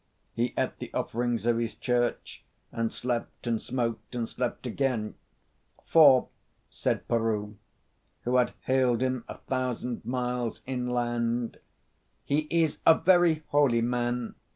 He ate the offerings of his church, and slept and smoked, and slept again, "for," said Peroo, who had haled him a thousand miles inland, "he is a very holy man.